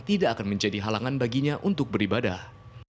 tidak akan menjadi halangan baginya untuk beribadah